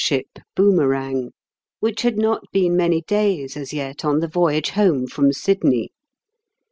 ship Boomerang, which had not been many days as yet on the voyage home from Sydney.